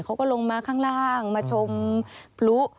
เขาก็ลงมาข้างล่างมาชมพลุ